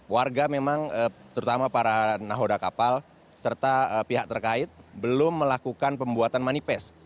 warga memang terutama para nahoda kapal serta pihak terkait belum melakukan pembuatan manifest